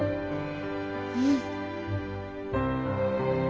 うん。